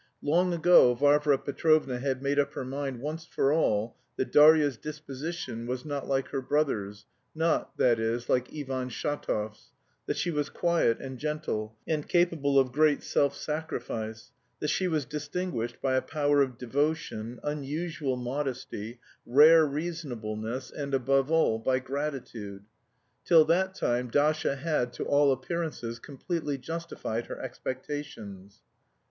Long ago Varvara Petrovna had made up her mind once for all that "Darya's disposition was not like her brother's" (not, that is, like Ivan Shatov's), that she was quiet and gentle, and capable of great self sacrifice; that she was distinguished by a power of devotion, unusual modesty, rare reasonableness, and, above all, by gratitude. Till that time Dasha had, to all appearances, completely justified her expectations.